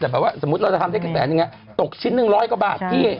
แต่แบบว่าสมมุติว่าเราทำได้กันแผนถูกชิ้นหนึ่งร้อยกว่าบาท